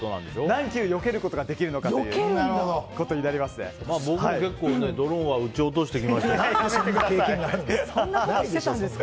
何球よけることができるのかということになります。